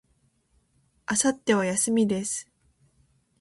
明後日は、休みです。